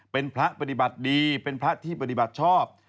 เป็นพระปฏิบัติดีเป็นพระที่ปฏิบัติชอบ